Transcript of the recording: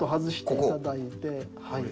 はい。